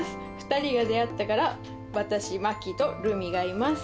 ２人が出会ったから、私、まきとるみがいます。